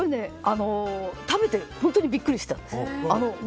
食べて本当にビックリしたんです。